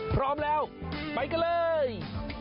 พร้อมแล้วไปกันเลย